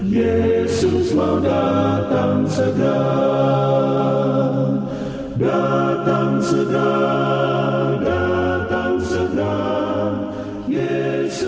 yesus mau datang sedang